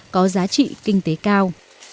có giá trị kinh tế cao